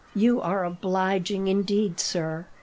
"You are obliging, indeed, sir.